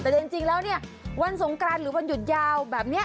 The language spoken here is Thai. แต่จริงแล้วเนี่ยวันสงกรานหรือวันหยุดยาวแบบนี้